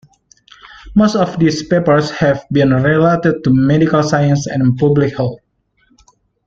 Most of these papers have been related to medical sciences and public health.